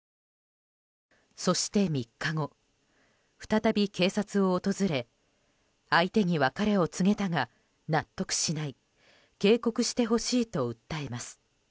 そして、３日後再び警察を訪れ相手に別れを告げたが納得しない警告してほしいと訴えます。